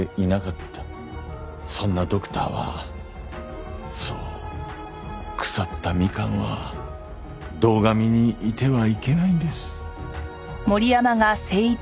そんなドクターはそう腐ったミカンは堂上にいてはいけないんです。